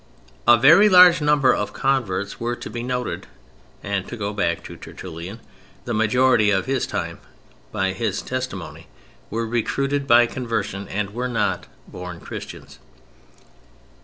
A very large number of converts were to be noted and (to go back to Tertullian) the majority of his time, by his testimony, were recruited by conversion, and were not born Christians.